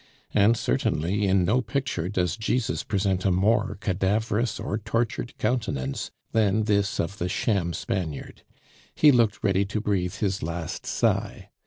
And certainly in no picture does Jesus present a more cadaverous or tortured countenance than this of the sham Spaniard; he looked ready to breathe his last sigh.